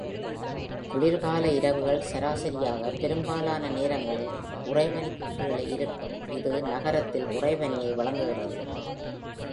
குளிர்கால இரவுகள் சராசரியாக பெரும்பாலான நேரங்களில் உறைபனிக்குக் கீழே இருக்கும், இது நகரத்தில் உறைபனியை வழங்குகிறது.